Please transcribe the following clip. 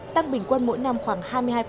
tăng bình quân mỗi năm khoảng hai mươi hai